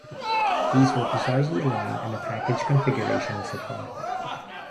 These were precisely aligned and a packaged configuration was applied.